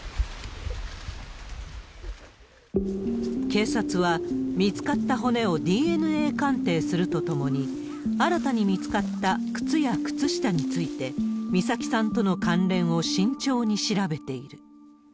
警察は、見つかった骨をＤＮＡ鑑定するとともに、新たに見つかった靴や靴下について、美咲さんとの関連を慎重に調べている。